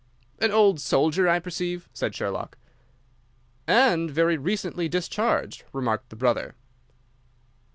"An old soldier, I perceive," said Sherlock. "And very recently discharged," remarked the brother.